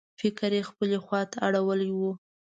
فکر یې خپلې خواته اړولی و.